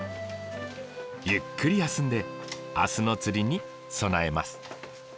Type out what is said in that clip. ゆっくり休んで明日の釣りに備えます。